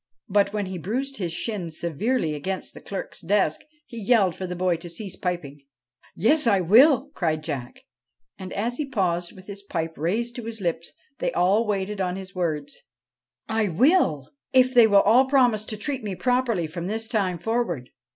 But, when he bruised his shins severely against the clerk's desk, he yelled for the boy to cease piping. ' Yes, I will,' cried Jack, and as he paused with his pipe raised to his lips they all waited on his words :' I will, if they will all promise to treat me properly from this time forward.'